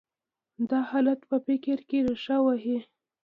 دا حالت په فکر کې رېښه وهي.